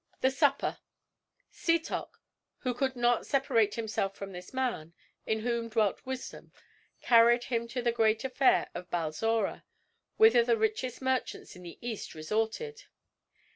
THE SUPPER Setoc, who could not separate himself from this man, in whom dwelt wisdom, carried him to the great fair of Balzora, whither the richest merchants in the earth resorted.